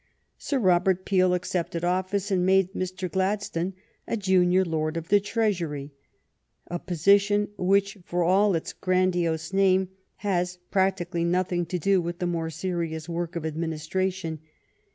Sir Robert Peel accepted office, and made Mr. Glad stone a Junior Lord of the Treasury — a position which, for all its grandiose name, has practically nothing to do with the more serious work of admin istration.